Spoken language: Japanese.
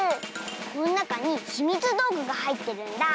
このなかにひみつどうぐがはいってるんだ！